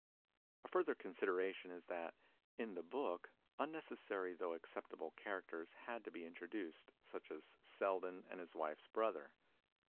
A further consideration is that, in the book, unnecessary though acceptable characters had to be introduced, such as Selden and his wife^s brother.